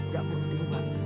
gak penting pak